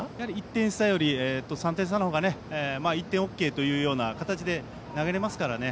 １点差より３点差のほうが１点ＯＫという形で投げられますからね。